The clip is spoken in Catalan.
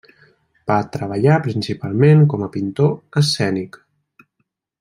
Va treballar principalment com a pintor escènic.